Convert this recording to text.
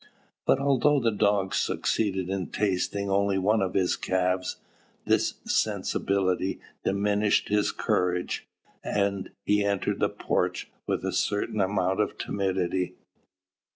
But although the dogs succeeded in tasting only one of his calves, this sensibility diminished his courage, and he entered the porch with a certain amount of timidity.